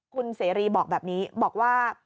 คุณเสรีบอกแบบนี้บอกว่า